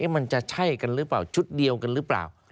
มันจะใช่กันหรือเปล่าชุดเดียวกันหรือเปล่า